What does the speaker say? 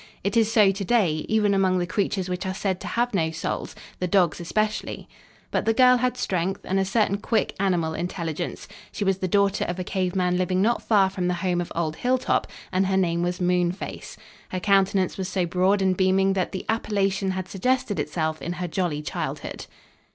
It is so to day, even among the creatures which are said to have no souls, the dogs especially. But the girl had strength and a certain quick, animal intelligence. She was the daughter of a cave man living not far from the home of old Hilltop, and her name was Moonface. Her countenance was so broad and beaming that the appellation had suggested itself in her jolly childhood.